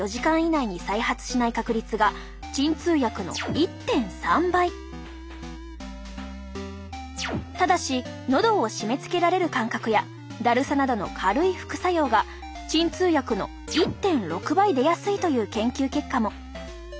１つ目は例えばただしのどを締めつけられる感覚やだるさなどの軽い副作用が鎮痛薬の１．６倍出やすいという研究結果も。